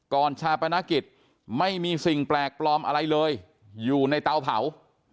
ชาปนกิจไม่มีสิ่งแปลกปลอมอะไรเลยอยู่ในเตาเผา